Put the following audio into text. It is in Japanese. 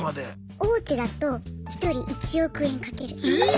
大手だと１人１億円かけるって。